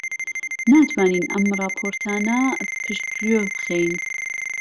ناتوانین ئەم ڕاپۆرتانە پشتگوێ بخەین.